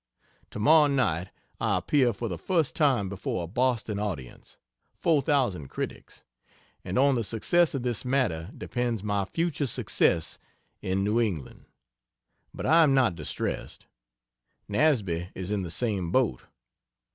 Tomorrow night I appear for the first time before a Boston audience 4,000 critics and on the success of this matter depends my future success in New England. But I am not distressed. Nasby is in the same boat.